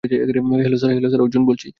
Hello, sir, Arjun বলছি।